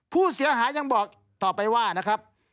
ผู้เสียหายยังบอกต่อไปว่านะครับ